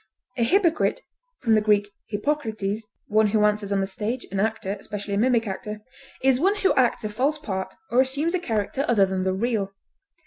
A hypocrite (Gr. hypokrites, one who answers on the stage, an actor, especially a mimic actor) is one who acts a false part, or assumes a character other than the real.